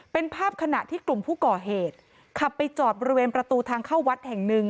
เป็นภาพขณะที่กลุ่มผู้ก่อเหตุขับไปจอดบริเวณประตูทางเข้าวัดแห่งหนึ่ง